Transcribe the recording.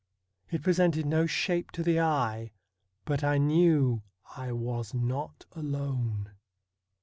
It presented no shape to the eye, but I knew I was not alone.